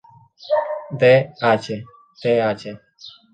D. H. Th.